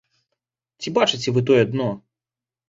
Ці бачыце вы тое дно?